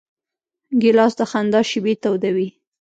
ګیلاس د خندا شېبې تودوي.